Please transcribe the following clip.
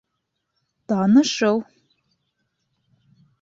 Танышыу